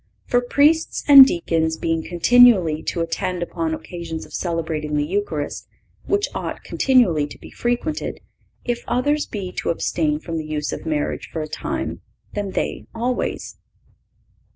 For, Priests and Deacons being continually to attend upon occasions of celebrating the Eucharist, which ought continually to be frequented; if others be to abstain from the use of marriage for a time, then they always."